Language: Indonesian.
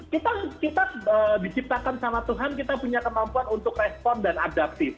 kita diciptakan sama tuhan kita punya kemampuan untuk respon dan adaptif